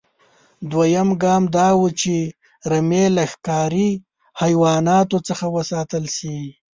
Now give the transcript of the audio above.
دویم ګام دا و چې رمې له ښکاري حیواناتو څخه وساتل شي.